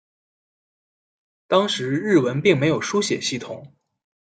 当时日文并没有书写系统。